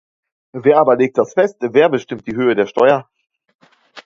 Wer aber legt das fest, wer bestimmt die Höhe der Steuer?